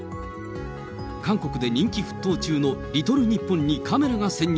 韓国で人気沸騰中のリトル日本にカメラが潜入。